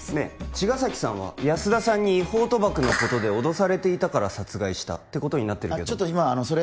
茅ヶ崎さんは安田さんに違法賭博のことで脅されていたから殺害したってことになってるけどちょっと今それ